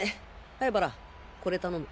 灰原これ頼む。